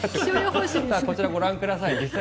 こちら、ご覧ください。